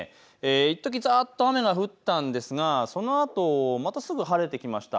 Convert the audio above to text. いっときざーっと雨が降ったんですがそのあとまたすぐ晴れてきました。